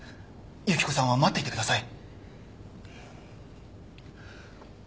由紀子さんは待っていてください。